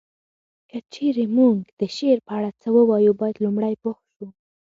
که چیري مونږ د شعر په اړه څه ووایو باید لومړی پوه شو